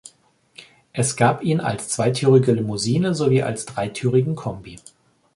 Es gab ihn als zweitürige Limousine sowie als dreitürigen Kombi.